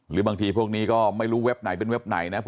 หรือบางทีพวกนี้ก็ไม่รู้เว็บไหนเป็นเว็บไหนนะ